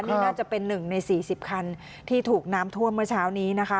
นี่น่าจะเป็น๑ใน๔๐คันที่ถูกน้ำท่วมเมื่อเช้านี้นะคะ